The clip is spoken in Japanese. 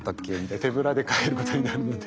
手ぶらで帰ることになるので。